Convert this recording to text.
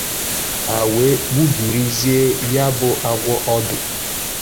ha wee gbubìrizie ya bụ agwọ ọdụ.